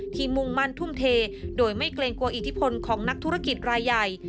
มุ่งมั่นทุ่มเทโดยไม่เกรงกลัวอิทธิพลของนักธุรกิจรายใหญ่